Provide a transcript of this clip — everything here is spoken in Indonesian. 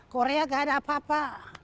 korea gak ada apa apa